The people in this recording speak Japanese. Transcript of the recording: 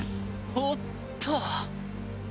おっと？